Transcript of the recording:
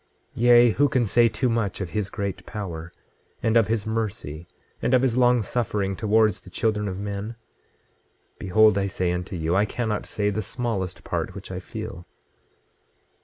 Yea, who can say too much of his great power, and of his mercy, and of his long suffering towards the children of men? Behold, I say unto you, I cannot say the smallest part which I feel.